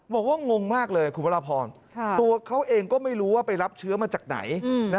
งงมากเลยคุณพระราพรตัวเขาเองก็ไม่รู้ว่าไปรับเชื้อมาจากไหน